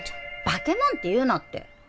化け物って言うなって。